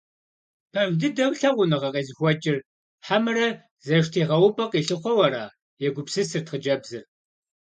Пэж дыдэу лъагъуныгъэ къезыхуэкӀыр, хьэмэрэ зэштегъэупӀэ къилъыхъуэу ара? – егупсысырт хъыджэбзыр.